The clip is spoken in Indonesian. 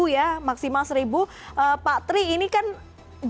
lima ratus sampai seribu ya maksimal seribu pak tri ini kan berapa